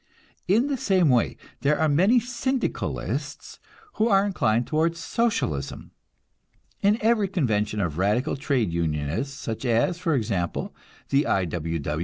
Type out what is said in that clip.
In the same way there are many Syndicalists who are inclined toward Socialism. In every convention of radical trade unionists, such as, for example, the I.